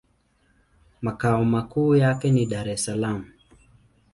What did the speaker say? Makao makuu yake ni Dar-es-Salaam.